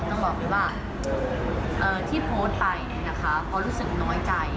ต้องบอกว่าที่โพสต์ไปค่ะเค้ารู้สึกน้อยใจ